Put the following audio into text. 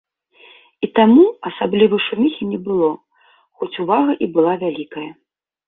І таму асаблівай шуміхі не было, хоць увага і была вялікая.